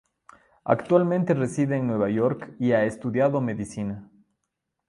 Actualmente reside en Nueva York y ha estudiado Medicina.